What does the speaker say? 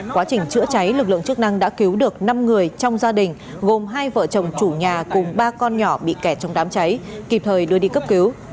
quá trình chữa cháy lực lượng chức năng đã cứu được năm người trong gia đình gồm hai vợ chồng chủ nhà cùng ba con nhỏ bị kẻ trong đám cháy kịp thời đưa đi cấp cứu